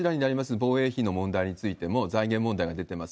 防衛費の問題についても、財源問題が出てます。